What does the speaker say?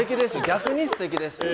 逆に素敵です。